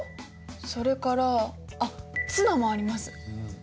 それからあっツナもあります。